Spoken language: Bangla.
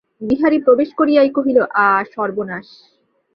বিহারী প্রবেশ করিয়াই কহিল, আ সর্বনাশ!